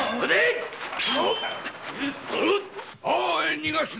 逃がすな！